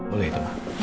oke itu mak